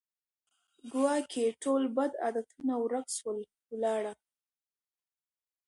ګواکي ټول بد عادتونه ورک سول ولاړه